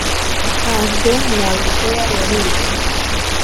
ntabwo nabikora urabizi.